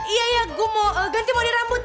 iya iya gue mau ganti mode rambut